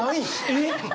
えっ？